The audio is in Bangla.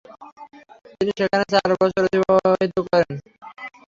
তিনি সেখানে চার বছর অতিবাহিত করেন।